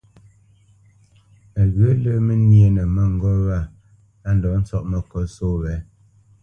Á ghyə̂ lə́ mə́ nyénə mə́ŋgôp wa á ndɔ̌ ntsɔ́ʼ məkǒt só wě.